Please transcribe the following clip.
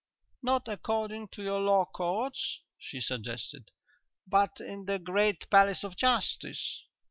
"Not according to your Law Courts?" she suggested. "But in the great Palace of Justice?...